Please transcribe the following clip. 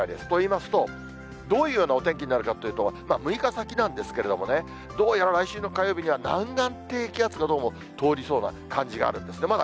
といいますと、どういうようなお天気になるかっていうと、６日先なんですけれどもね、どうやら来週の火曜日には、南岸低気圧がどうも通りそうな感じがあるんですね。